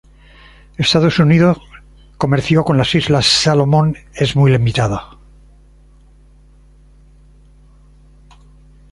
Estados Unidos comercio con las Islas Salomón es muy limitado.